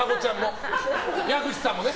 矢口さんもね。